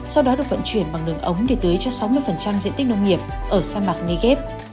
sau đó được vận chuyển bằng đường ống để tưới cho sáu mươi diện tích nông nghiệp ở sa mạc negev